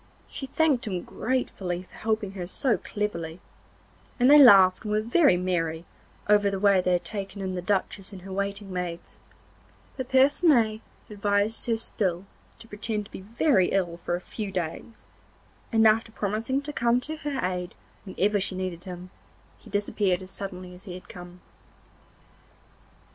She thanked him gratefully for helping her so cleverly, and they laughed and were very merry over the way they had taken in the Duchess and her waiting maids; but Percinet advised her still to pretend to be ill for a few days, and after promising to come to her aid whenever she needed him, he disappeared as suddenly as he had come.